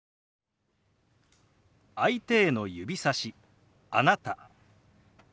相手への指さし「あなた」。